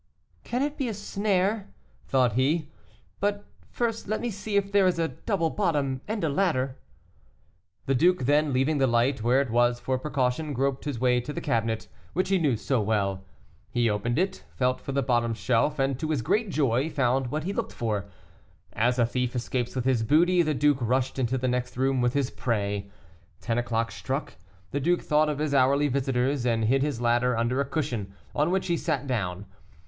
"Can it be a snare?" thought he; "but first let me see if there is a double bottom and a ladder." The duke then, leaving the light where it was for precaution, groped his way to the cabinet, which he knew so well. He opened it, felt for the bottom shelf, and, to his great joy, found what he looked for. As a thief escapes with his booty, the duke rushed into the next room with his prey. Ten o'clock struck; the duke thought of his hourly visitors, and hid his ladder under a cushion, on which he sat down.